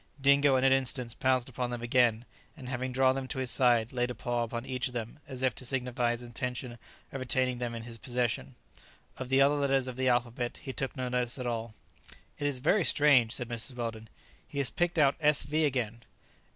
Dingo in an instant pounced upon them again, and having drawn them to his side, laid a paw upon each of them, as if to signify his intention of retaining them in his possession. Of the other letters of the alphabet he took no notice at all. "It is very strange," said Mrs. Weldon; "he has picked out S V again."